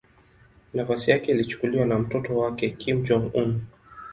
Nafasi yake ilichukuliwa na mtoto wake Kim Jong-un.